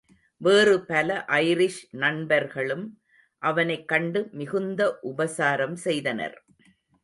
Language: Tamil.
வேறு பல ஐரிஷ் நண்பர்களும் அவனைக் கண்டு மிகுந்த உபசாரம் செய்தனர்.